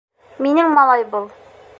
Минең малай был.